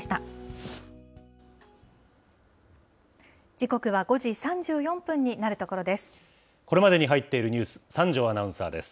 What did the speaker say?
時刻は５時３４分になるところです。